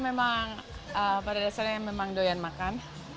karena memang pada dasarnya memang doyan makan